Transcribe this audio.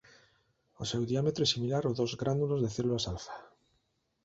O seu diámetro é similar ao dos gránulos de células alfa.